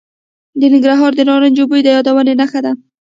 د ننګرهار د نارنجو بوی د یادونو نښه ده.